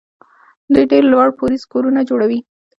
دوی ډېر لوړ پوړیز کورونه جوړوي.